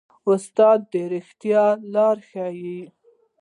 استاد د ریښتیا لاره ښيي.